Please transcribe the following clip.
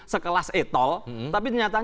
sekelas etol tapi ternyata